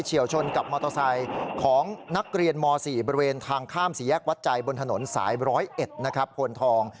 วชนกับมอเตอร์ไซค์ของนักเรียนม๔บริเวณทางข้ามสี่แยกวัดใจบนถนนสาย๑๐๑นะครับพลทอง